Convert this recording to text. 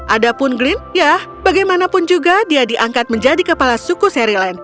adapun glyn yah bagaimanapun juga dia diangkat menjadi kepala suku sherry lane